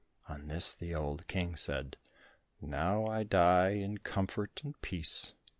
On this, the old King said, "Now I die in comfort and peace."